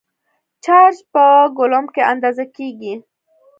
چارج په کولمب کې اندازه کېږي.